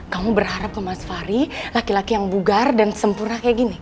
kamu berharap ke mas fahri laki laki yang bugar dan sempurna kayak gini